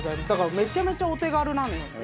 だからめちゃめちゃお手軽なのよ。